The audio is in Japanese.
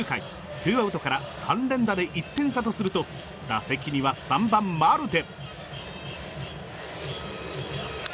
ツーアウトから３連打で１点差とすると打席には３番マルテ。